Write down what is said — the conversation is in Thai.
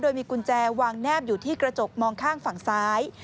โดยมีกุญแจวางแนบอยู่ที่กระจกมองข้างฝั่งซ้าย